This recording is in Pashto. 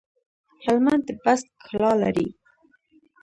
هلمند د بست کلا لري